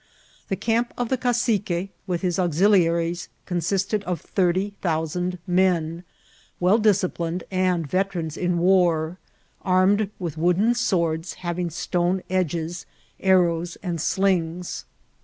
The. camp of the cacique, with his auxil iaries, consisted of thirty thousand men^ well disci plined, and yeterans in war, armed with wooden swords having stone edges, arrows, and slings.